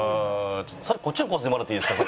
それこっちのコースにもらっていいですか？